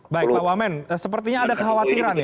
baik pak wamen sepertinya ada kekhawatiran ya